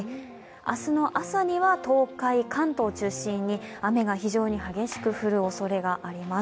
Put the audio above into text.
明日の朝には東海、関東を中心に雨が非常に激しく降るおそれがあります。